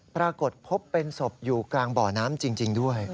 ปรากฏพบเป็นศพอยู่กลางบ่อน้ำจริงด้วย